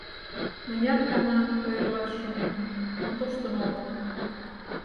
Мыняр гана ойырлаш шонен, но тоштын огыл.